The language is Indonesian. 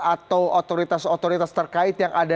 atau otoritas otoritas terkait yang ada